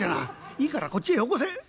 いいからこっちへよこせ。